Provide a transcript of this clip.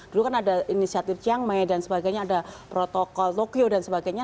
dulu kan ada inisiatif ciangmai dan sebagainya ada protokol tokyo dan sebagainya